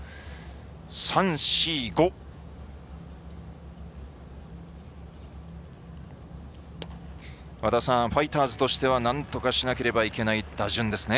３、４、５ファイターズとしてはなんとかしなければいけない打順ですね。